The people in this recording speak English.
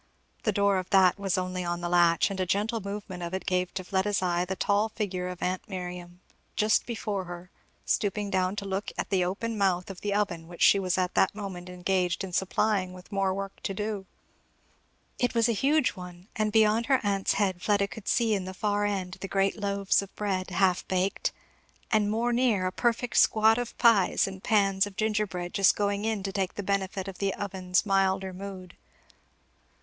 The door of that was only on the latch and a gentle movement of it gave to Fleda's eye the tall figure of aunt Miriam, just before her, stooping down to look in at the open mouth of the oven which she was at that moment engaged in supplying with more work to do. It was a huge one, and beyond her aunt's head Fleda could see in the far end the great loaves of bread, half baked, and more near a perfect squad of pies and pans of gingerbread just going in to take the benefit of the oven's milder mood.